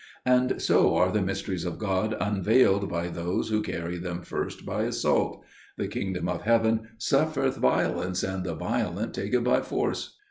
And so are the mysteries of God unveiled by those who carry them first by assault; 'The Kingdom of Heaven suffereth violence; and the violent take it by force.